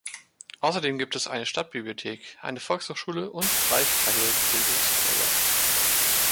Außerdem gibt es eine Stadtbibliothek, eine Volkshochschule und drei freie Bildungsträger.